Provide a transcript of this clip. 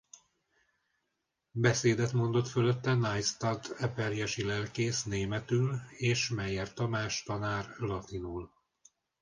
Beszédet mondott fölötte Neustadt eperjesi lelkész németül és Meyer András tanár latinul.